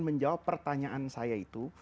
menjawab pertanyaan saya itu